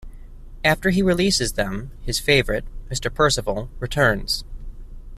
After he releases them, his favourite, Mr Percival, returns.